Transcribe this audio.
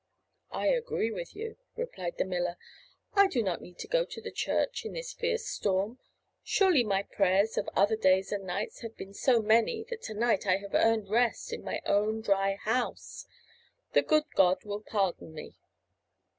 "I agree with you," replied the miller. "I do not need to go to the church in this fierce storm. Surely my prayers of other days and nights have been so many that to night I have earned rest in my own dry house. The good God will pardon me."